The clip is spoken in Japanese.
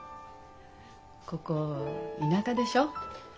ここ田舎でしょ。